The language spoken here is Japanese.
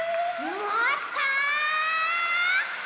もっと！